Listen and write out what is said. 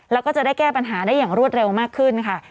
แล้วก็จะได้แก้ปัญหาได้อย่างรวดเร็วมากขึ้นค่ะ